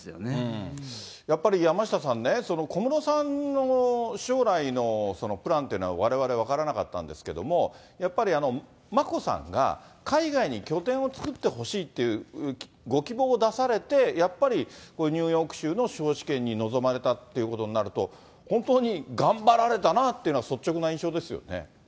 やっぱり山下さんね、小室さんの将来のそのプランというのは、われわれ分からなかったんですけれども、やっぱり眞子さんが、海外に拠点を作ってほしいというご希望を出されて、やっぱりニューヨーク州の司法試験に臨まれたっていうことになると、本当に頑張られたなというのが率直な印象ですよね。